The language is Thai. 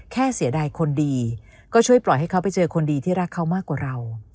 เสียดายคนดีก็ช่วยปล่อยให้เขาไปเจอคนดีที่รักเขามากกว่าเรา